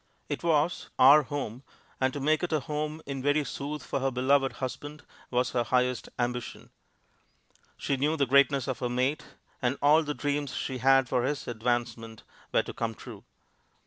It was "Our Home," and to make it a home in very sooth for her beloved husband was her highest ambition. She knew the greatness of her mate, and all the dreams she had for his advancement were to come true.